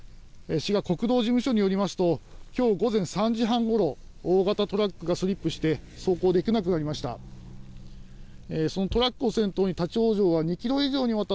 滋賀国道事務所によりますときょう午前３時半ごろ大型トラックがスリップして、走行できなくなりました。